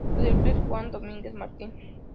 Su director es Juan Domínguez Martin.